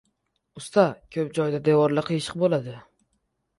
• Usta ko‘p joyda devorlar qiyshiq bo‘ladi.